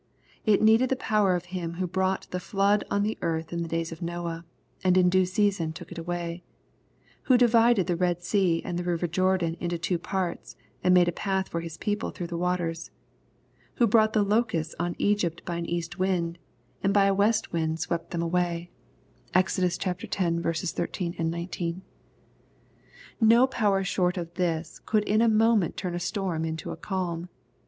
It needed the power of Him who brought the ^ flood on the earth in the days of Noah, and in due season took it away, — ^who divided the Bed Sea and the river Jordan into two parts, and made a path for His people through the waters ^ who brought the locusts on Egypt by an east wind, and by a west wind swept them 264 EXPOSITORY THOUGHTS, away. (Exod. x. 13, 19.) No power short of this could in a moment turn a storoi into a calm.